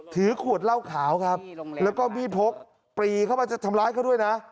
ถือขวดเหล้าขาวครับแล้วก็มีดพกปรีเข้ามาจะทำร้ายเขาด้วยนะ